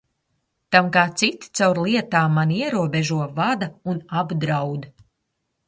Tam, kā citi caur lietām mani ierobežo, vada un apdraud.